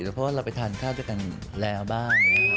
เพราะว่าเราไปทานข้าวด้วยกันแล้วบ้าง